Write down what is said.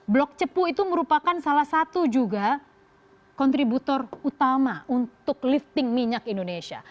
blok cepu itu merupakan salah satu juga kontributor utama untuk lifting minyak indonesia